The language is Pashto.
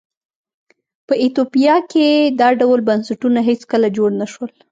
په ایتوپیا کې دا ډول بنسټونه هېڅکله جوړ نه شول.